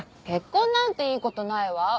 結婚なんていいことないわ。